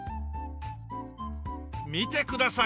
見てください